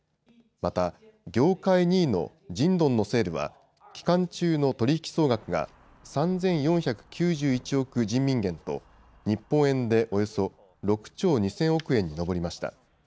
また、業界２位の京東のセールは期間中の取引総額が３４９１億人民元と日本円でおよそ６兆２０００億円に上りました。